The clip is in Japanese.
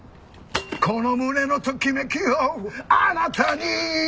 「この胸のときめきをあなたに」